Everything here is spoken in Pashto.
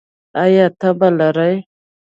ایا تبه لرئ؟